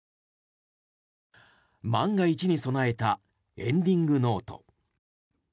万が一に備えたエンディングノート。